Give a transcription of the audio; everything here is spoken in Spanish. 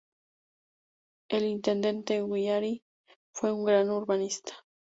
El intendente Guggiari fue un gran urbanista.